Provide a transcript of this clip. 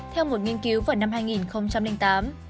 theo một nghiên cứu vào năm hai nghìn tám